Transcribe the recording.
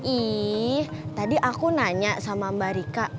ih tadi aku nanya sama mbak rika